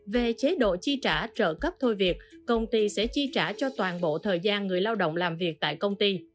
về chế độ chi trả trợ cấp thôi việc công ty sẽ chi trả cho toàn bộ thời gian người lao động làm việc tại công ty